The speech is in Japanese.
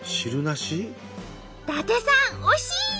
伊達さん惜しい！